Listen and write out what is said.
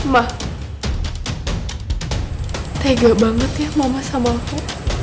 mah tega banget ya mama sama aku